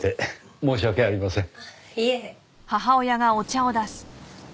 申し訳ありませんね。